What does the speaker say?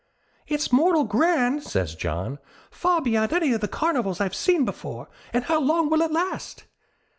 'It's mortal grand,' says John. 'Far before any of the carnivals I've seen before; an' how long will it last?'